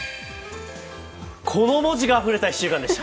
この文字があふれた１週間でした。